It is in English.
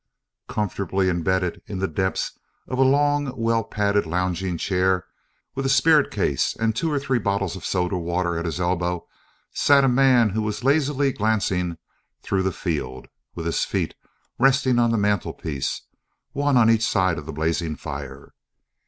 Comfortably imbedded in the depths of a long well padded lounging chair, with a spirit case and two or three bottles of soda water at his elbow, sat a man who was lazily glancing through the Field with his feet resting on the mantelpiece, one on each side of the blazing fire.